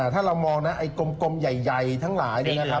ถ้าเรามองกลมใหญ่ทั้งหลาย